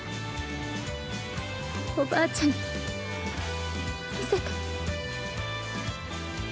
おばあちゃんに見せて。